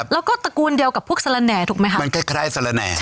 แล้วก็ตระกูลเดียวกับพวกสละแหน่ถูกไหมคะมันคล้ายสละแหน่